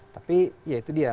tapi ya itu dia